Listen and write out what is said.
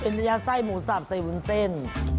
เป็นยาไส้หมูสาบใส่วุ้นเส้น